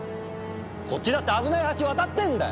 こっちだって危ない橋渡ってんだよ！